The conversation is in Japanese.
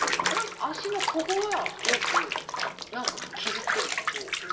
何か足のここがよく何か傷いってんですこう。